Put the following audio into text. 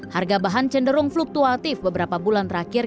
harga bahan cenderung fluktuatif beberapa bulan terakhir